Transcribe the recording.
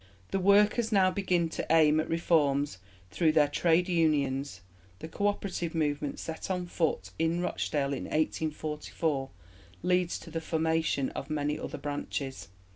The workers now begin to aim at reforms through their Trades Unions. The Co operative Movement set on foot in Rochdale in 1844 leads to the formation of many other branches.